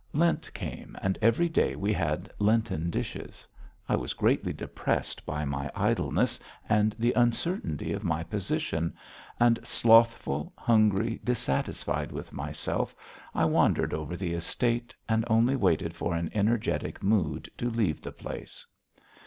Lent came and every day we had Lenten dishes. I was greatly depressed by my idleness and the uncertainty of my position, and, slothful, hungry, dissatisfied with myself, I wandered over the estate and only waited for an energetic mood to leave the place.